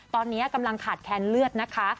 ตอนนี้กำลังขาดแคนเลือดนะคะ